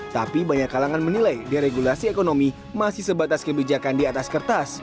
tapi banyak kalangan menilai deregulasi ekonomi masih sebatas kebijakan di atas kertas